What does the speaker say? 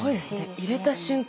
入れた瞬間